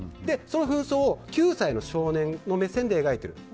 その紛争を９歳の少年の目線で描いている。